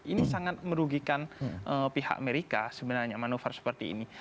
ini sangat merugikan pihak amerika sebenarnya manuver seperti ini